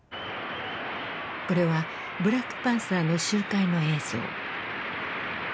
これはブラックパンサーの集会の映像。